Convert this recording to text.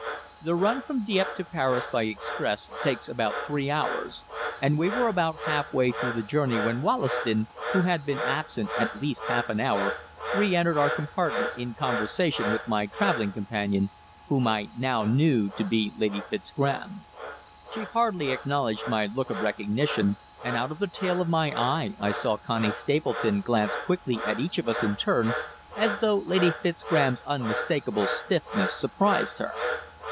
The run from Dieppe to Paris by express takes about three hours, and we were about half way through the journey when Wollaston, who had been absent at least half an hour, re entered our compartment in conversation with my recent travelling companion, whom I now knew to be Lady Fitzgraham. She hardly acknowledged my look of recognition, and out of the tail of my eye I saw Connie Stapleton glance quickly at each of us in turn, as though Lady Fitzgraham's unmistakable stiffness surprised her.